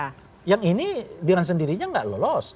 tapi dengan sendirinya enggak lolos